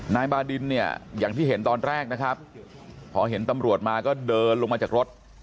นายบาดินเนี่ยอย่างที่เห็นตอนแรกนะครับพอเห็นตำรวจมาก็เดินลงมาจากรถ